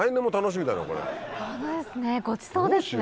ごちそうですね。